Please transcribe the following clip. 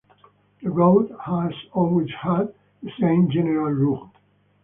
The road has always had the same general route.